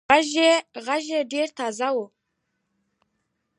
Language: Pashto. غږ يې ډېر تازه وو.